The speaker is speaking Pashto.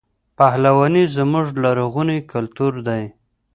پهلواني زموږ لرغونی کلتور دی.